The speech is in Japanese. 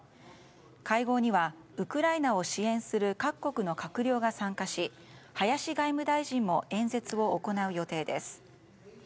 会合にはウクライナを支援する各国の閣僚が参加し林外務大臣も演説を行う予定です。